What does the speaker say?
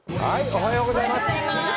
おはようございます。